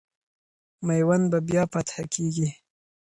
میوند به بیا فتح کېږي.